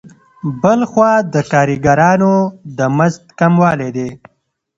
بل خوا د کارګرانو د مزد کموالی دی